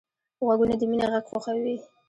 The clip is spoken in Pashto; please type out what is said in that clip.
غوږونه د مینې غږ خوښوي